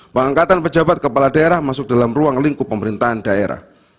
pengangkatan pejabat kepala daerah masuk dalam ruang lingkup pemerintahan daerah